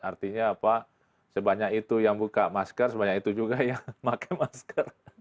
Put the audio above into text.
artinya apa sebanyak itu yang buka masker sebanyak itu juga yang pakai masker